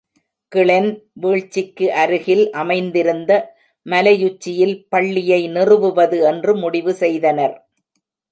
Glenn வீழ்ச்சிக்கு அருகில் அமைந்திருந்த மலையுச்சியில் பள்ளியை நிறுவுவது என்று முடிவு செய்தனர்.